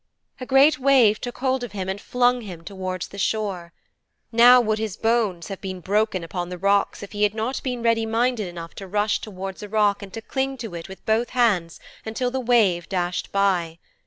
A great wave took hold of him and flung him towards the shore. Now would his bones have been broken upon the rocks if he had not been ready minded enough to rush towards a rock and to cling to it with both hands until the wave dashed by.